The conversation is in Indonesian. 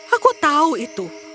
aku tahu itu